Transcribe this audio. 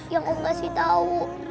yang om pasti tau